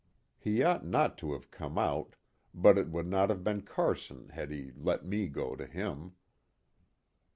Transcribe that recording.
He ought not to have come out, but it would not have been Carson had he let me go to him.